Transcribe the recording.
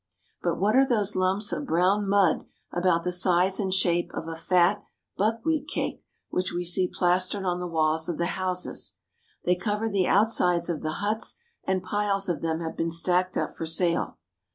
But what are those lumps of brown mud about the size and shape of a fat buckwheat cake which we see plastered on the walls of the houses? They cover the outsides of the huts, and piles of them have been stacked up for sale.